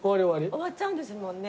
終わっちゃうんですもんね。